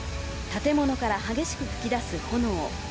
建物から激しく噴き出す炎。